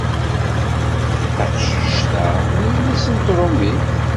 Taqcict-a d yelli-s n tṛumit.